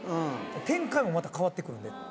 展開もまた変わってくるんで。